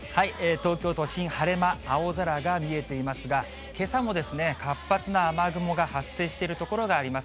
東京都心、晴れ間、青空が見えていますが、けさも活発な雨雲が発生している所があります。